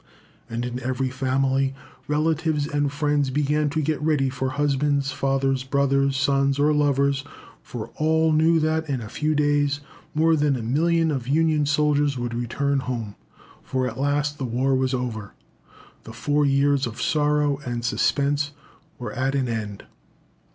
And, in every family, relatives and friends began to get ready for husbands, fathers, brothers, sons, or lovers, for all knew that, in a few days, more than a million of Union soldiers would return home. For, at last, the war was over. The four years of sorrow and suspense were at an end.